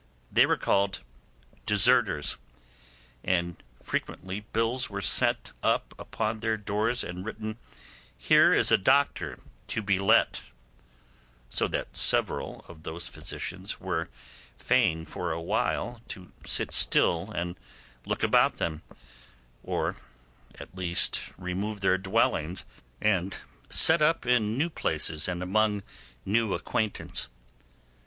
They were called deserters, and frequently bills were set up upon their doors and written, 'Here is a doctor to be let', so that several of those physicians were fain for a while to sit still and look about them, or at least remove their dwellings, and set up in new places and among new acquaintance.